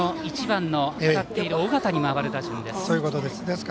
１番の当たっている緒方に回る打順です。